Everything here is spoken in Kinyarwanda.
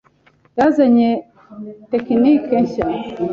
yazanye tekinike nshya.